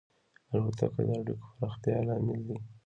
الوتکه د اړیکو پراختیا لامل ده.